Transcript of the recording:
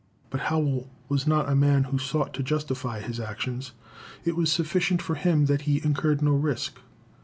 But Howell was not a man who sought to justify his actions; it was sufficient for him that he incurred no risk.